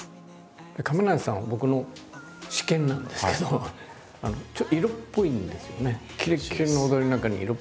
亀梨さんは僕の私見なんですけどちょっと色っぽいんですよね。